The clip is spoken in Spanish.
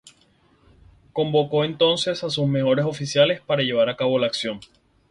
Convocó entonces a sus mejores oficiales para llevar a cabo la acción.